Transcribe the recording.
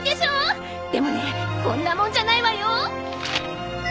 でもねこんなもんじゃないわよ！